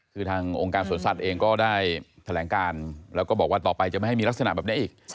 คือทางองค์การสวนสัตว์เองก็ได้แถลงการแล้วก็บอกว่าต่อไปจะไม่ให้มีลักษณะแบบนี้อีก